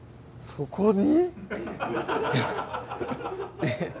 そこに？